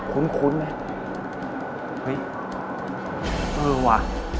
คุ้นคุ้นไหมเฮ้ยเออวะ